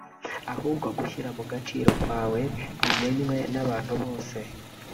ahubwo gushyira mu gaciro kwawe bimenywe n’abantu bose